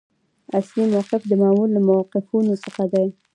اصلي موقف د مامور له موقفونو څخه دی.